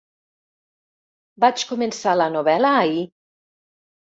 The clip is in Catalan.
Vaig començar la novel·la ahir.